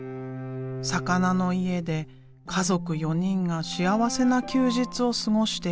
魚の家で家族４人が幸せな休日を過ごしている。